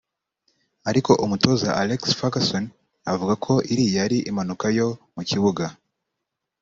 Ariko umutoza Alex Fergueson avuga ko iriya ari impanuka yo mu kibuga